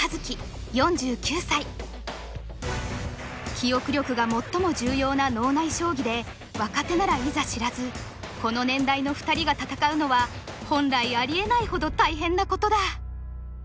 記憶力が最も重要な脳内将棋で若手ならいざ知らずこの年代の２人が戦うのは本来ありえないほど大変なことだ。